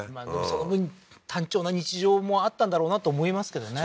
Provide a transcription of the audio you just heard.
その分単調な日常もあったんだろうなと思いますけどね